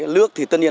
lước thì tất nhiên